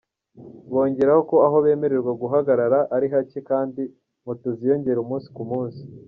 Bongeraho ko aho bemererwa guhagarara ari hake kandi moto ziyongera umunsi ku munsi.